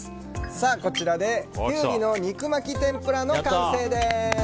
これでキュウリの肉巻き天ぷらの完成です。